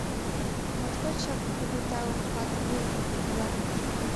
— Моткочак кугу тау, Матвуй тулар!